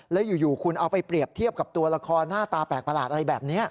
แล้วอยู่คุณเอาไปเปรียบเทียบกับตัวละครหน้าตาแปลกประหลาดอะไรแบบนี้